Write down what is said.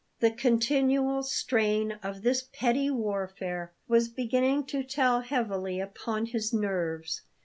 The continual strain of this petty warfare was beginning to tell heavily upon his nerves.